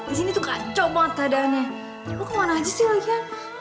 di sini tuh kacau banget keadaannya lo kemana aja sih lagi ya